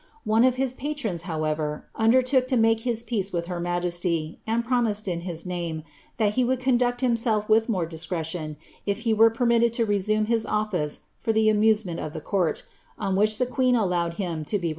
One of his patrons, however, undertook to make his peace with her majesty, and promised in his name, that he would con duct himself with more discretion if he were permitted to resume his office for the amusement of the court, on which the queen allowed him * Bobnn'i Character of QueeD Elizabeth.